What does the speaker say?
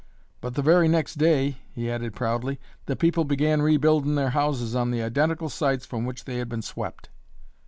"But the very next day," he added proudly, "the people began rebuildin' their houses on the identical sites from which they had been swept."